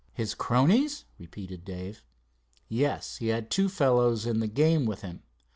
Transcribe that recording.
"His cronies?" repeated Dave. "Yes, he had two fellows in the game with him.